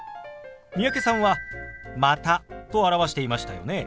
三宅さんは「また」と表していましたよね。